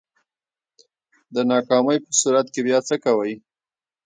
د ناکامۍ په صورت کی بیا څه کوئ؟